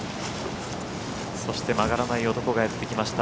そして曲がらない男がやってきました。